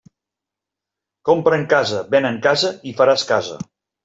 Compra en casa, ven en casa i faràs casa.